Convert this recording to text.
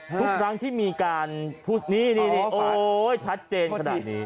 ทุกครั้งที่มีการพูดนี่โอ๊ยชัดเจนขนาดนี้